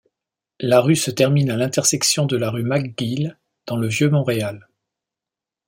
La rue se termine à l'intersection de la rue McGill dans le Vieux-Montréal.